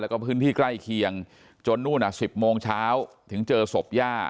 แล้วก็พื้นที่ใกล้เคียงจนนู่น๑๐โมงเช้าถึงเจอศพย่า